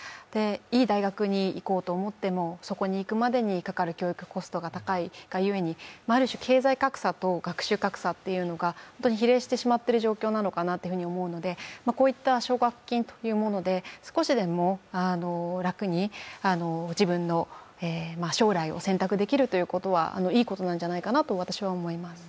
いい大学に行こうと思ってもそこに行くまでの教育コストが高いゆえに、ある種、経済格差と学習格差というのが比例してしまっている状況なのかなと思っているのでこういった奨学金というもので少しでも楽に自分の将来を選択できるということはいいことなんじゃないかなと私は思います。